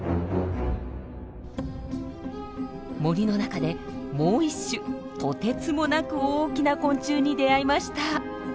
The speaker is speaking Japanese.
森の中でもう一種とてつもなく大きな昆虫に出会いました。